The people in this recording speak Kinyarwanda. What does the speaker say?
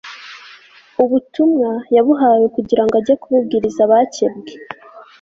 ubutumwa yabuhawe ngo ajye kububwiriza abakebwe